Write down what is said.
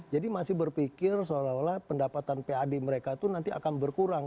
jadi masih berpikir seolah olah pendapatan pad mereka itu nanti akan berkurang